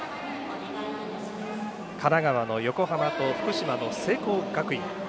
神奈川の横浜と福島の聖光学院。